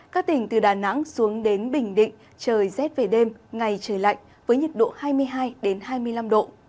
các tỉnh từ đà nẵng xuống đến bình định trời rét về đêm ngày trời lạnh với nhiệt độ hai mươi hai hai mươi năm độ